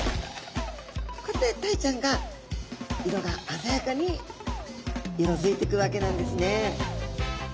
こうやってタイちゃんが色があざやかに色づいてくわけなんですね。